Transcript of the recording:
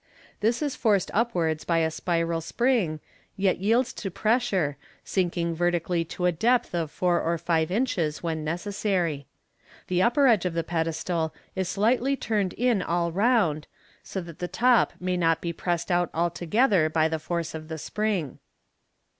This is forced upwards by a spiral spring, but yields to pressure, sinking vertically to a depth of four or five inches when necessary. The upper edge of the pedestal is slightly turned in all round, so that the top may not be pressed out altogether by the force of the spring.